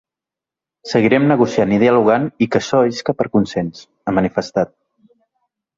“Seguirem negociant i dialogant i que açò isca per consens”, ha manifestat.